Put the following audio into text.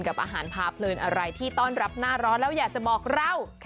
กับอาหารพาเพลินอะไรที่ต้อนรับหน้าร้อนแล้วอยากจะบอกเรา